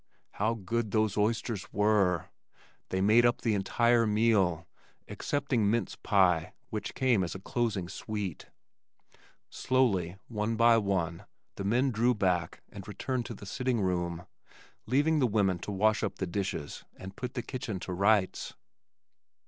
How good those oysters were! They made up the entire meal, excepting mince pie which came as a closing sweet. Slowly, one by one, the men drew back and returned to the sitting room, leaving the women to wash up the dishes and put the kitchen to rights.